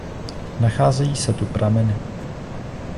Nacházejí se tu prameny.